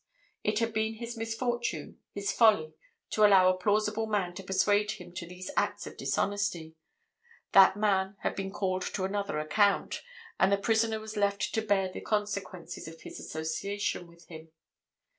It had been his misfortune, his folly, to allow a plausible man to persuade him to these acts of dishonesty. That man had been called to another account, and the prisoner was left to bear the consequences of his association with him.